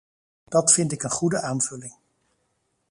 Dat vind ik een goede aanvulling.